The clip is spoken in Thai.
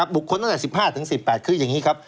ตั้งแต่๑๕๑๘คืออย่างนี้ครับ